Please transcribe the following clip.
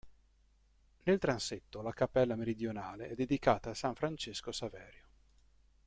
Nel transetto la cappella meridionale è dedicata a S. Francesco Saverio.